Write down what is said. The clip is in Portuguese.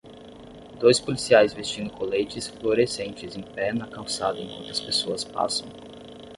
Dois policiais vestindo coletes fluorescentes em pé na calçada enquanto as pessoas passam.